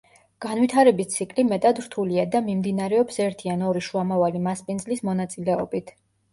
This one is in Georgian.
განვითარების ციკლი მეტად რთულია და მიმდინარეობს ერთი ან ორი შუამავალი მასპინძლის მონაწილეობით.